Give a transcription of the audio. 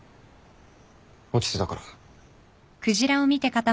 落ちてたから。